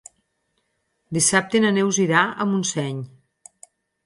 Dissabte na Neus irà a Montseny.